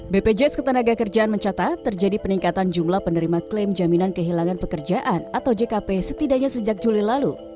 bpjs ketenaga kerjaan mencatat terjadi peningkatan jumlah penerima klaim jaminan kehilangan pekerjaan atau jkp setidaknya sejak juli lalu